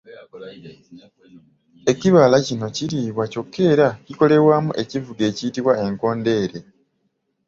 Ekibala kino kiriibwa kyokka era kikolwamu ekivuga ekiyitibwa ekkondeere.